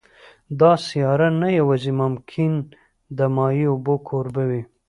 دا سیاره نه یوازې ممکن د مایع اوبو کوربه وي